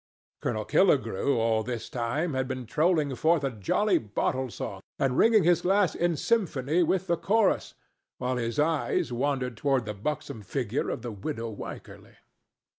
Colonel Killigrew all this time had been trolling forth a jolly bottle song and ringing his glass in symphony with the chorus, while his eyes wandered toward the buxom figure of the widow Wycherly.